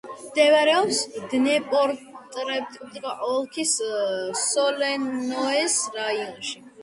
მდებარეობს დნეპროპეტროვსკის ოლქის სოლენოეს რაიონში.